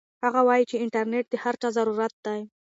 هغه وایي چې انټرنيټ د هر چا ضرورت دی.